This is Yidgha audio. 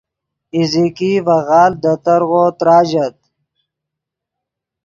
ایزیکی ڤے غالڤ دے ترغو تراژت